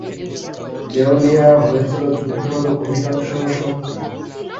দেউলিয়া হয়েছিল যুদ্ধরত অধিকাংশ শক্তি।